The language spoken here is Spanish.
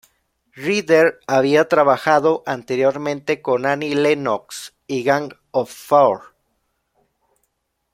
Reader había trabajado anteriormente con Annie Lennox y Gang of Four.